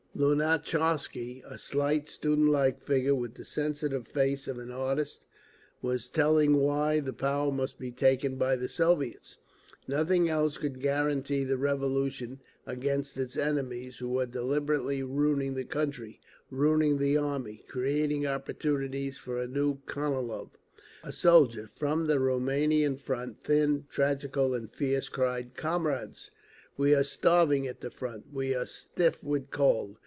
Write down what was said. Lunatcharsky, a slight, student like figure with the sensitive face of an artist, was telling why the power must be taken by the Soviets. Nothing else could guarantee the Revolution against its enemies, who were deliberately ruining the country, ruining the army, creating opportunities for a new Konilov. A soldier from the Rumanian front, thin, tragical and fierce, cried, "Comrades! We are starving at the front, we are stiff with cold.